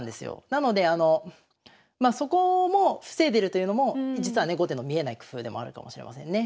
なのであのまあそこも防いでるというのも実はね後手の見えない工夫でもあるかもしれませんね。